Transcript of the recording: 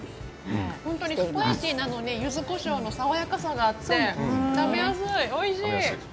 本当にスパイシーなのにゆずこしょうの爽やかさがいて食べやすい、おいしい。